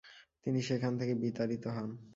তিনি সেখান থেকে বিতাড়িত হন।